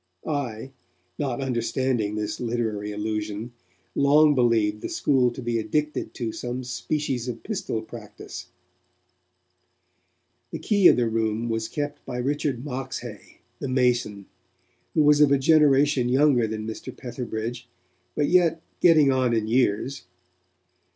I, not understanding this literary allusion, long believed the school to be addicted to some species of pistol practice. The key of the Room was kept by Richard Moxhay, the mason, who was of a generation younger than Mr. Petherbridge, but yet 'getting on in years'.